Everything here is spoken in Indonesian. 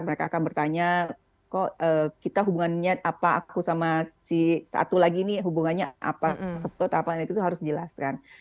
mereka akan bertanya kok kita hubungannya apa aku sama si satu lagi ini hubungannya apa sepot apa itu harus dijelaskan